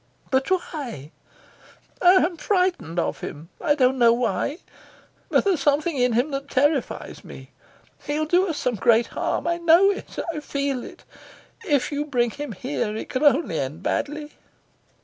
"But why?" "I'm frightened of him. I don't know why, but there's something in him that terrifies me. He'll do us some great harm. I know it. I feel it. If you bring him here it can only end badly."